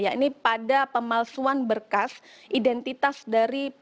ya ini pada pemalsuan berkas identitas dari pasangan perempuan di sini